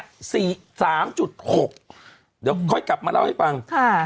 เดี๋ยวค่อยกลับมาเล่าให้ฟัง